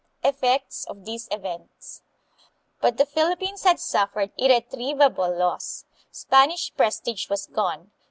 Effects of These Events. But the Philippines had suffered irretrievable loss. Spanish prestige was gone.